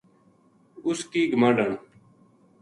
اس کی گماہنڈن “